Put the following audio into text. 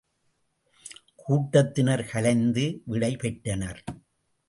கூட்டத்தினர் கலைந்து விடை பெற்றனர்.